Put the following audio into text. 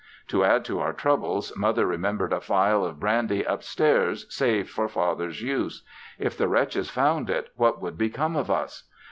To add to our troubles Mother remembered a phial of brandy up stairs saved for Father's use. If the wretches found it, what would become of us?